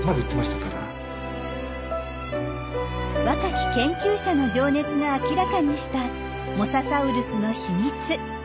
若き研究者の情熱が明らかにしたモササウルスの秘密。